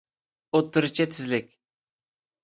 ئوتتۇرىچە تېزلىك